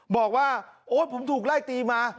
บอกว่าโอ๊ยผมถูกไล่ตีมา